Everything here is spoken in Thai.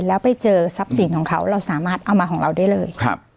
แล้วไปเจอทรัพย์สินของเขาเราสามารถเอามาของเราได้เลยครับ